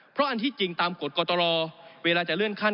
เพราะอันที่จริงตามกฎกตรเวลาจะเลื่อนขั้น